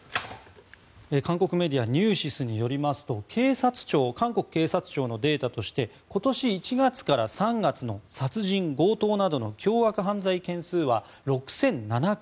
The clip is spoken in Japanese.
韓国メディアニューシスによりますと韓国警察庁のデータによると今年１月から３月の殺人・強盗などの凶悪犯罪件数は６００７件。